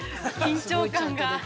◆緊張感が。